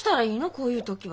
こういう時は。